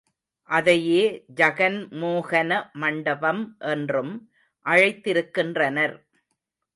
அதையே ஜகன் மோகன மண்டபம் என்றும் அழைத்திருக்கின்றனர்.